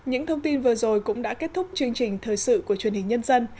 cảm ơn các bạn đã theo dõi